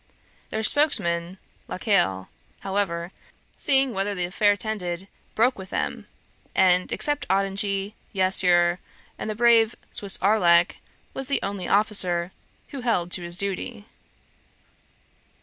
Their spokesman, La Caille, however, seeing whither the affair tended, broke with them, and, except Ottigny, Yasseur, and the brave Swiss Arlac, was the only officer who held to his duty.